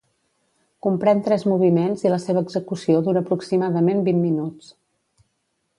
Comprèn tres moviments i la seva execució dura aproximadament vint minuts.